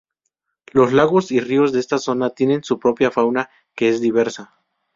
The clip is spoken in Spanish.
Los lagos y ríos de esta zona tienen su propia fauna que es diversa.